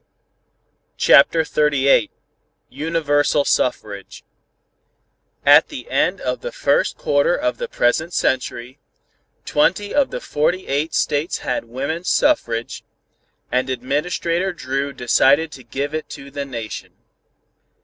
CHAPTER XXXVIII UNIVERSAL SUFFRAGE At the end of the first quarter of the present century, twenty of the forty eight States had Woman Suffrage, and Administrator Dru decided to give it to the Nation.